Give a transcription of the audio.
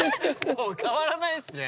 もう変わらないですね